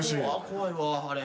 怖いわあれ。